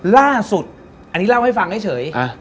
ล่าสุดอันนี้เล่าให้ฟังเฉย